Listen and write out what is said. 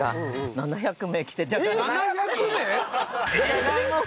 ７００名！？